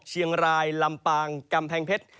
เชียงรายลำปางกำแพงเพชร